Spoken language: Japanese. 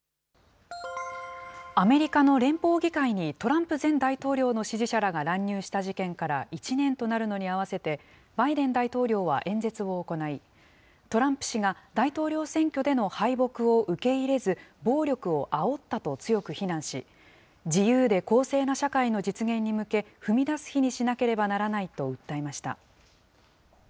アメリカの連邦議会に、トランプ前大統領の支持者らが乱入した事件から１年となるのに合わせて、バイデン大統領は演説を行い、トランプ氏が大統領選挙での敗北を受け入れず、暴力をあおったと強く非難し、自由で公正な社会の実現に向け、踏み出す日にしなければならないと訴えました。